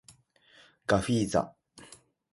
ガフィーザ